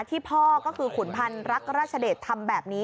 ที่พ่อก็คือขุนพันธ์รักราชเดชทำแบบนี้